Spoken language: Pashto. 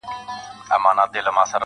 د ورځو شپو تودې سړې دي زهٔ یم